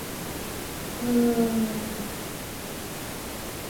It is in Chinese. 社名是相对于川上村的丹生川上神社上社。